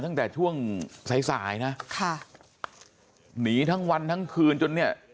ตั้งแต่ช่วงสายสายนะค่ะหนีทั้งวันทั้งคืนจนเนี่ย